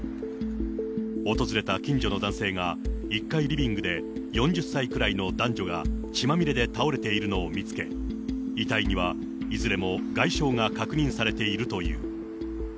訪れた近所の男性が１階リビングで、４０歳くらいの男女が血まみれで倒れているのを見つけ、遺体にはいずれも外傷が確認されているという。